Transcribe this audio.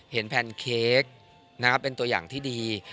แพนเค้กเป็นตัวอย่างที่ดี